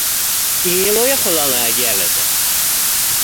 כי היא לא יכולה להגיע לזה